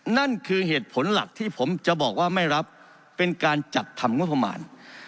นั่นคือเหตุผลหลักที่ผมจะบอกว่าไม่รับเป็นการจัดทำงบประมาณ